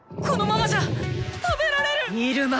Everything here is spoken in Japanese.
このままじゃ食べられる！